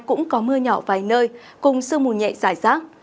cũng có mưa nhỏ vài nơi cùng sương mù nhẹ dài rác